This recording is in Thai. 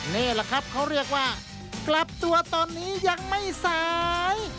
นี่แหละครับเขาเรียกว่ากลับตัวตอนนี้ยังไม่สาย